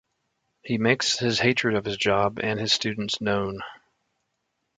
He makes his hatred of his job and his students known.